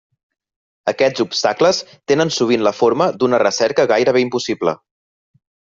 Aquests obstacles tenen sovint la forma d'una recerca gairebé impossible.